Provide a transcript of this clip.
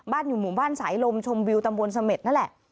อยู่หมู่บ้านสายลมชมวิวตำบลเสม็ดนั่นแหละ